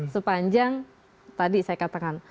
sepanjang tadi saya katakan